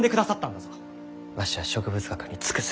わしは植物学に尽くす。